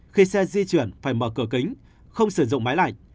khi xe di chuyển phải mở cửa kính không sử dụng máy lạnh